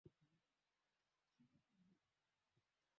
andika juu ya mbunge mteule wa jimbo la lindi mjini salum halfan baruan